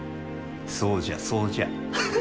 そうじゃそうじゃ。